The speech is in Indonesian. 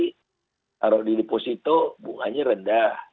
taruh di deposito bunganya rendah